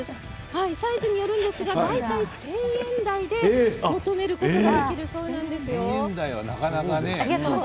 サイズによるんですが１枚、１０００円台で買い求めることができるそうなんですよ。